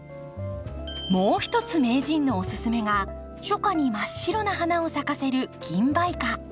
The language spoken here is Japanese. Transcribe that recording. もう一つ名人のおすすめが初夏に真っ白な花を咲かせるギンバイカ。